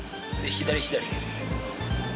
左、左。